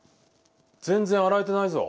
全然洗えてないぞ。